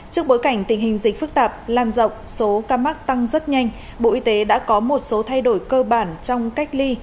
trước bối cảnh tình hình dịch phức tạp lan rộng số ca mắc tăng rất nhanh bộ y tế đã có một số thay đổi cơ bản trong cách ly